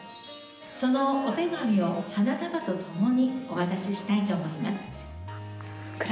そのお手紙を花束と共にお渡ししたいと思います。